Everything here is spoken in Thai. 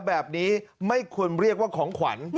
แบบนี้ไม่ควรเรียกว่าของขวัญ